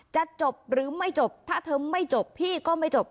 จะจบหรือไม่จบถ้าเธอไม่จบพี่ก็ไม่จบ